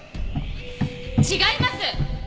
違います！